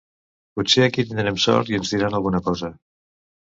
Potser aquí tindrem sort i en diran alguna cosa.